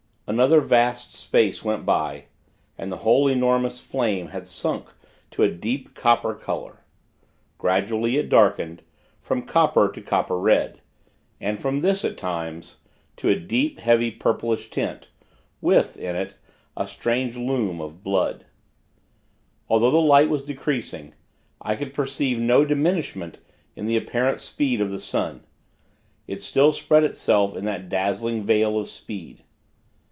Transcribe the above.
Another vast space went by, and the whole enormous flame had sunk to a deep, copper color. Gradually, it darkened, from copper to copper red, and from this, at times, to a deep, heavy, purplish tint, with, in it, a strange loom of blood. Although the light was decreasing, I could perceive no diminishment in the apparent speed of the sun. It still spread itself in that dazzling veil of speed.